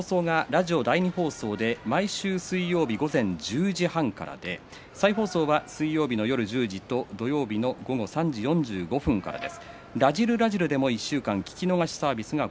放送はラジオ第２放送で毎週、水曜日午前１０時半から放送は水曜夜１０時と土曜日午後３時４５分からです。